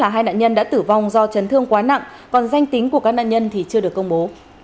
hai nạn nhân đã tử vong do chấn thương quá nặng còn danh tính của các nạn nhân thì chưa được công bố